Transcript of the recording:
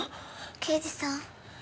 刑事さん。